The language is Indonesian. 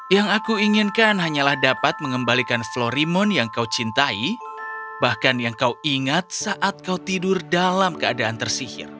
yang aku inginkan hanyalah dapat mengembalikan florimon yang kau cintai bahkan yang kau ingat saat kau tidur dalam keadaan tersihir